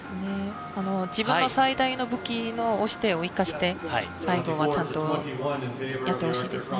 自分の最大の武器の押し手を生かして最後はちゃんとやってほしいですね。